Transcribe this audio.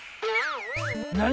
何？